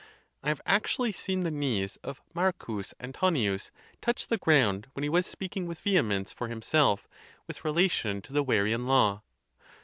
I have actually seen the knees of Marcus Antonius touch the ground when he was speak ing with vehemence for himself, with relation to the Va rian law.